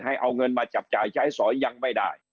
เอาเงินมาจับจ่ายใช้สอยยังไม่ได้